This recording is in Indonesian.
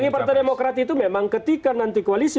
bagi partai demokrat itu memang ketika nanti koalisi